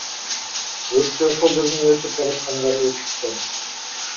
Өрттү ошол жерден өтүп бараткандар өчүрүшкөн.